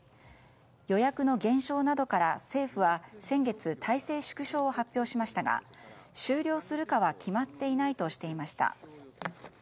予約の減少などから政府は、先月体制縮小を発表しましたが終了するかは決まっていないとしていました。